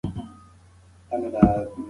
کوم موټر په سړک کې ولاړ دی؟